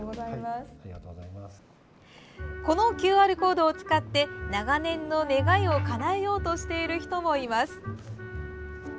このＱＲコードを使って長年の願いをかなえようとしている人もいます。